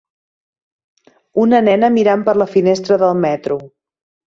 Una nena mirant per la finestra del metro.